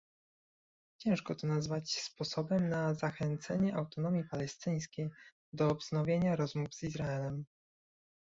Ciężko to nazwać sposobem na zachęcenie Autonomii Palestyńskiej do wznowienia rozmów z Izraelem